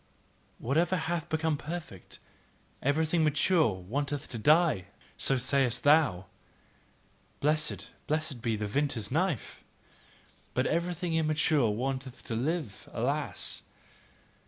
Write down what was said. "Whatever hath become perfect, everything mature wanteth to die!" so sayest thou. Blessed, blessed be the vintner's knife! But everything immature wanteth to live: alas!